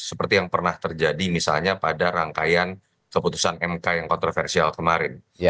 seperti yang pernah terjadi misalnya pada rangkaian keputusan mk yang kontroversial kemarin